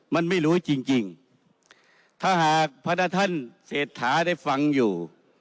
มันไม่รู้จริงจริงถ้าหากพระท่านเศรษฐาได้ฟังอยู่